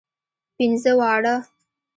پنځه واړه.